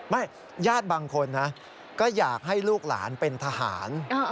ญาติบางคนนะก็อยากให้ลูกหลานเป็นทหาร